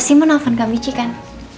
pasti mau nelfon kak michi kan